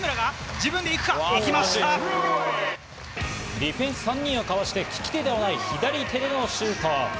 ディフェンス３人をかわして、利き手ではない左手でのシュート。